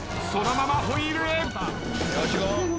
そのままホイールへ。